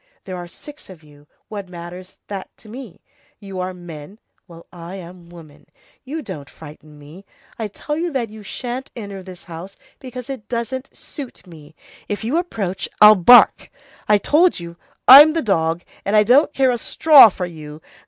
There are six of you, what matters that to me? You are men. Well, I'm a woman. You don't frighten me. I tell you that you shan't enter this house, because it doesn't suit me. If you approach, I'll bark. I told you, I'm the dog, and I don't care a straw for you.